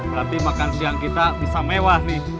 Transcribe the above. berarti makan siang kita bisa mewah nih